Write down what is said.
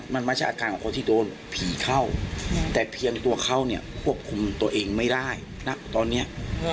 มันไม่ใช่อาการของคนที่โดนผีเข้าแต่เพียงตัวเขาเนี่ยควบคุมตัวเองไม่ได้ณตอนนี้